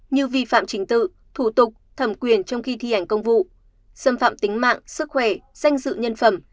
như vi phạm trình tự thủ tục thẩm quyền trong khi thi hành công vụ xâm phạm tính mạng sức khỏe danh dự nhân phẩm